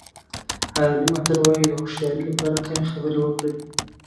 عربي متل وایي د هوښیارۍ لپاره کمې خبرې وکړئ.